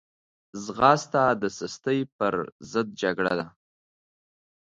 ځغاسته د سستي پر ضد جګړه ده